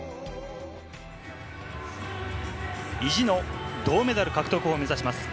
意地の銅メダル獲得を目指します。